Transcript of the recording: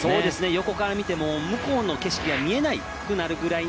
横から見ても向こうの景色が見えなくなるぐらい